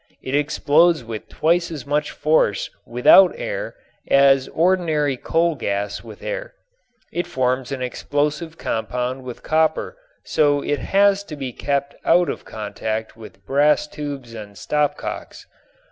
It explodes with twice as much force without air as ordinary coal gas with air. It forms an explosive compound with copper, so it has to be kept out of contact with brass tubes and stopcocks.